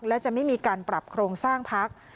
และจะไม่มีการปรับโครงสร้างพัก